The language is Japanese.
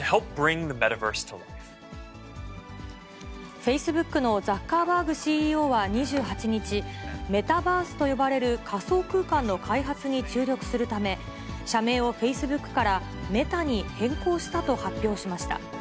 フェイスブックのザッカーバーグＣＥＯは２８日、メタバースと呼ばれる仮想空間の開発に注力するため、社名をフェイスブックから、Ｍｅｔａに変更したと発表しました。